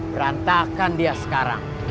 berantakan dia sekarang